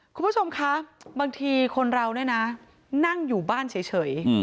คุณผู้ชมคะบางทีคนเราเนี่ยนะนั่งอยู่บ้านเฉย